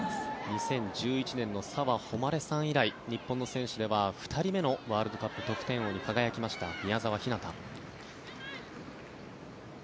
２０１１年の澤穂希さん以来日本の選手では２人目のワールドカップ得点王に輝いた宮澤ひなた。